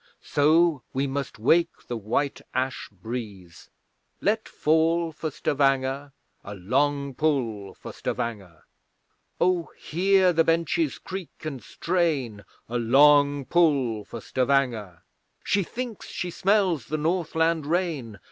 So we must wake the white ash breeze, Let fall for Stavanger! A long pull for Stavanger! Oh, hear the benches creak and strain! (A long pull for Stavanger!) She thinks she smells the Northland rain!